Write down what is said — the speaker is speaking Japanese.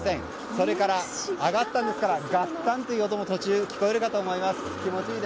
それから、アガッタンですからガッタンという音も途中、聞こえるかと思います。